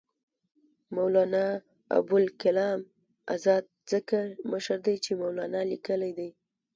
مولنا ابوالکلام آزاد ځکه مشر دی چې مولنا لیکلی دی.